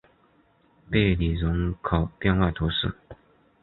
贝里人口变化图示